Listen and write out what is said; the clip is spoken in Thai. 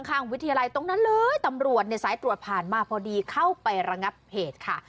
ข้างวิทยาลัยตรงนั้นเลยตำรวจเนี่ยสายตรวจผ่านมาพอดีเข้าไประงับเหตุค่ะ